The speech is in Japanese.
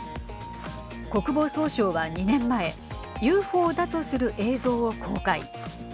国防総省は２年前ＵＦＯだとする映像を公開。